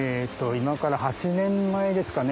今から８年前ですかね。